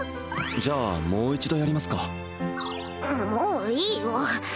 じゃあもう一度やりますかもういいよ